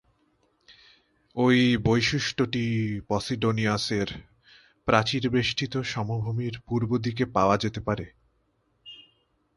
এই বৈশিষ্ট্যটি পসিডোনিয়াসের প্রাচীরবেষ্টিত সমভূমির পূর্ব দিকে পাওয়া যেতে পারে।